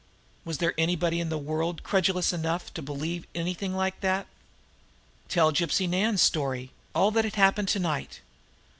Was there anybody in the world credulous enough to believe anything like that! Tell Gypsy Nan's story, all that had happened to night?